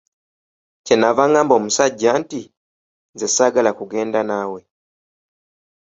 Kye nnava ngamba omusajja nti, nze saagala kugenda naawe.